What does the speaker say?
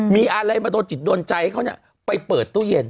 มีอะไรมาโดนจิตโดนใจให้เขาไปเปิดตู้เย็น